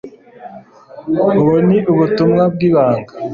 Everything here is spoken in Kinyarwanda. Ubu ni ubutumwa bwibanga